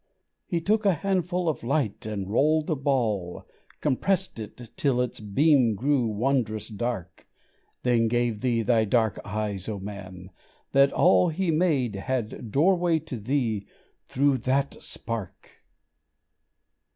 He took a handful of light and rolled a ball, Compressed it till its beam grew wondrous dark, Then gave thee thy dark eyes, O Man, that all He made had doorway to thee through that spark.